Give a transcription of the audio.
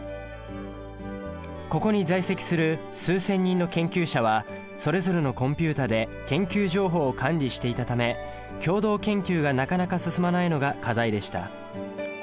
ここに在籍する数千人の研究者はそれぞれのコンピュータで研究情報を管理していたため共同研究がなかなか進まないのが課題でした。